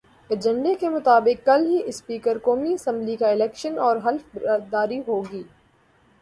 ایجنڈے کے مطابق کل ہی اسپیکر قومی اسمبلی کا الیکشن اور حلف برداری ہوگی۔